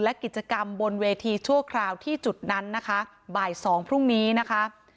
และกิจกรรมบนเวทีชั่วคราวที่จุดนั้นนะคะบ่ายสองพรุ่งนี้นะคะ